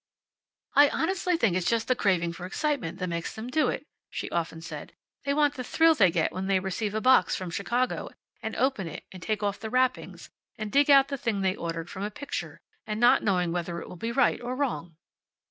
"I honestly think it's just the craving for excitement that makes them do it," she often said. "They want the thrill they get when they receive a box from Chicago, and open it, and take off the wrappings, and dig out the thing they ordered from a picture, not knowing whether it will be right or wrong."